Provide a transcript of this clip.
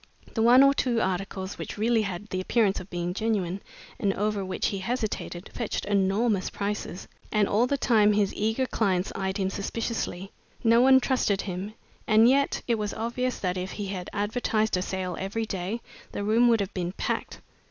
The one or two articles which really had the appearance of being genuine, and over which he hesitated, fetched enormous prices, and all the time his eager clients eyed him suspiciously. No one trusted him, and yet it was obvious that if he had advertised a sale every day, the room would have been packed.